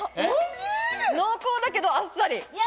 濃厚だけどあっさり。